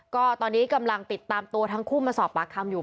ก็ตอนนี้กำลังติดตามตัวทั้งคู่มาสอบปากคำอยู่